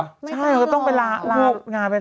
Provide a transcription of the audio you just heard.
ใช่เราต้องไปลางานไปรักษาแล้ว